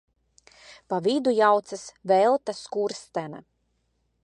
Pa vidu jaucas: Velta Skurstene.